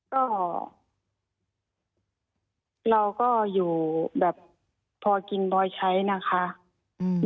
ก็เราก็อยู่แบบพอกินพอใช้นะคะอืม